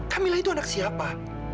kamilah itu anak siapa